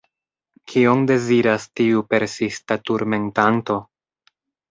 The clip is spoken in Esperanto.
Kion deziras tiu persista turmentanto?